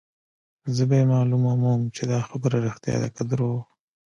زه به يې معلوموم چې دا خبره ريښتیا ده که درواغ.